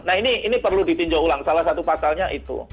nah ini perlu ditinjau ulang salah satu pasalnya itu